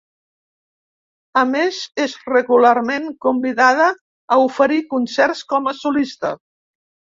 A més és regularment convidada a oferir concerts com a solista.